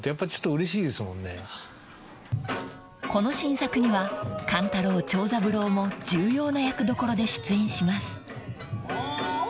［この新作には勘太郎長三郎も重要な役どころで出演します］